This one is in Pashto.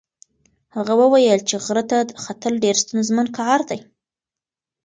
هغه وویل چې غره ته ختل ډېر ستونزمن کار دی.